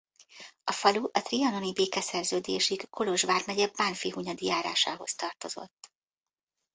A falu a trianoni békeszerződésig Kolozs vármegye Bánffyhunyadi járásához tartozott.